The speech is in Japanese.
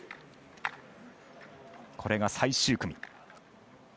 これが最終組。